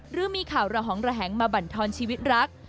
หรือมีข่าวระหองระแหงมาบรรทอนชีวิตรัก